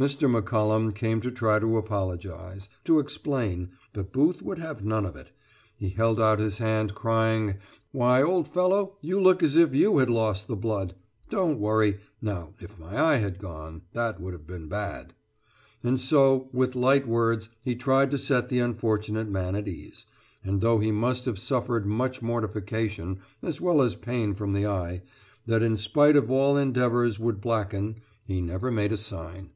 Mr. McCollom came to try to apologise to explain, but Booth would have none of it; be held out his hand, crying: "Why, old fellow, you look as if you had lost the blood. Don't worry now if my eye had gone, that would have been bad!" And so with light words he tried to set the unfortunate man at ease, and though he must have suffered much mortification as well as pain from the eye that in spite of all endeavours would blacken he never made a sign.